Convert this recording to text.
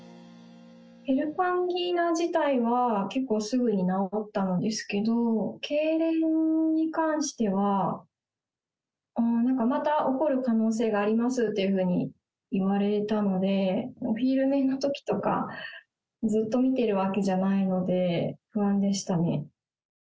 ヘルパンギーナ自体は結構すぐに治ったんですけど、けいれんに関しては、また起こる可能性がありますっていうふうに言われたので、お昼寝のときとか、ずっと見てるわけじゃないので、不安でしたね。